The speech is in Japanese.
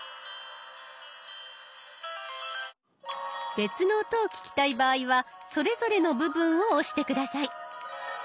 別の音を聞きたい場合はそれぞれの部分を押して下さい。